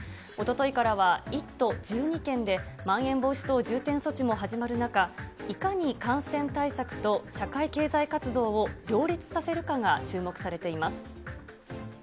おとといからは１都１２県で、まん延防止等重点措置も始まる中、いかに感染対策と社会経済活動を両立させるかが注目されています。